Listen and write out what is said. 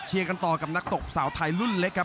กันต่อกับนักตบสาวไทยรุ่นเล็กครับ